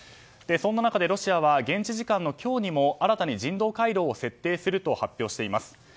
そんな中でロシアは現地時間の今日にも新たに人道回廊を設定すると発表しています。